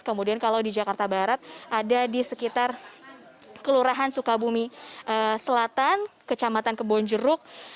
kemudian kalau di jakarta barat ada di sekitar kelurahan sukabumi selatan kecamatan kebonjeruk